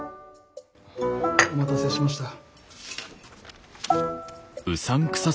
お待たせしました。